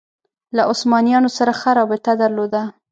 له عثمانیانو سره ښه رابطه درلوده